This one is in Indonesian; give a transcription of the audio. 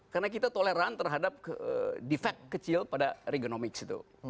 karena kita toleran terhadap defect kecil pada reganomics itu